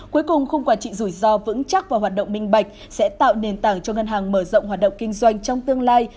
cuối cùng khung quản trị rủi ro vững chắc và hoạt động minh bạch sẽ tạo nền tảng cho ngân hàng mở rộng hoạt động kinh doanh trong tương lai